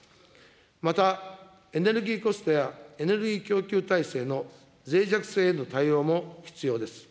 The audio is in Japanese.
また、エネルギーコストやエネルギー供給体制のぜい弱性への対応も必要です。